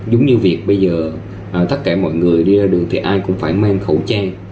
giống như việc bây giờ tất cả mọi người đi ra đường thì ai cũng phải mang khẩu trang